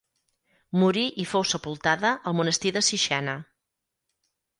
Morí i fou sepultada al monestir de Sixena.